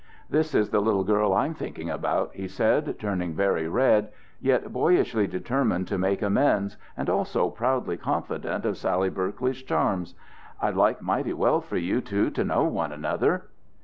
"This is the little girl I'm thinking about," he said, turning very red, yet boyishly determined to make amends, and also proudly confident of Sally Berkeley's charms. "I'd like mighty well for you two to know one another."